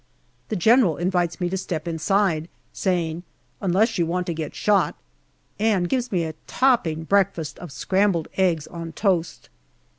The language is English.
The General invites me to step inside, saying, " Unless you want to get shot," and gives me a topping breakfast of scrambled eggs on toast.